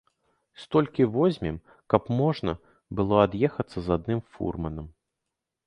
Столькі возьмем, каб можна было ад'ехацца з адным фурманам.